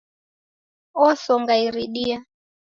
Osonga iridia